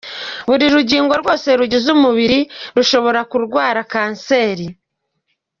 Buri rugingo rwose rugize umubiri rushobora kurwara kanseri.